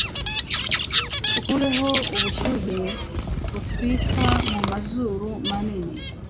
ukureho ubushyuhe butwika mu mazuru manini!